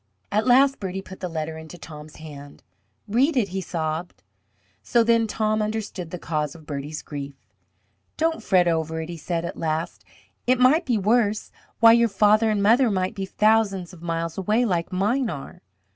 At last Bertie put the letter into Tom's hands. "Read it," he sobbed. So then Tom understood the cause of Bertie's grief. "Don't fret over it," he said at last. "It might be worse. Why, your father and mother might be thousands of miles away, like mine are.